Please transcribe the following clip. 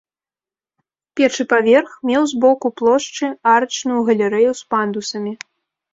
Першы паверх меў з боку плошчы арачную галерэю з пандусамі.